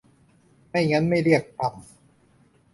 ไม่งั้นไม่เรียก 'ตำ'